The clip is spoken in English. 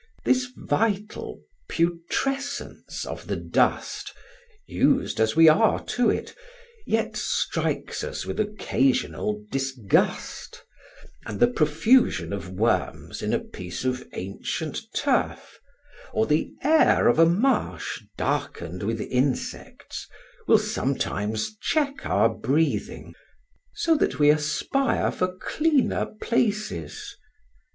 This vital putrescence of the dust, used as we are to it, yet strikes us with occasional disgust, and the profusion of worms in a piece of ancient turf, or the air of a marsh darkened with insects, will sometimes check our breathing so that we aspire for cleaner places.